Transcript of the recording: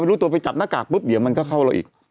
รู้ตัวไปจับหน้ากากปุ๊บเดี๋ยวมันก็เข้าเราอีก